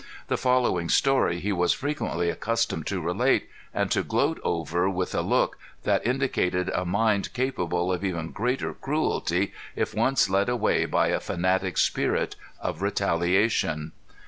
The following story he was frequently accustomed to relate, and to gloat over with a look that indicated a mind capable of even greater cruelty, if once led away by a fanatic spirit of retaliation.